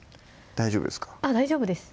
大丈夫です